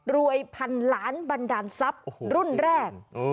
พันล้านบันดาลทรัพย์รุ่นแรก